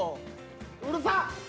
うるさっ！